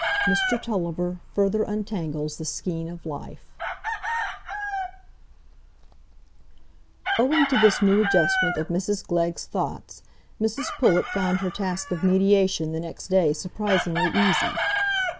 Mr Tulliver Further Entangles the Skein of Life Owing to this new adjustment of Mrs Glegg's thoughts, Mrs Pullet found her task of mediation the next day surprisingly easy.